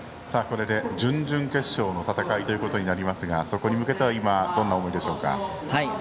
これで準々決勝の戦いということになりますがそこに向けては今、どんな思いでしょうか。